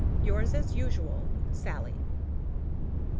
Yours, as usual, SALLIE.